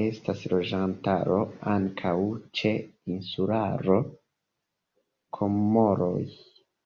Estas loĝantaro ankaŭ ĉe insularo Komoroj.